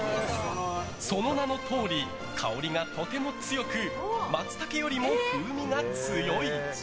その名のとおり香りがとても強くマツタケよりも風味が強い。